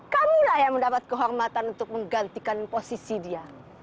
kamu lah yang mendapat kehormatan untuk menggantikan posisi dia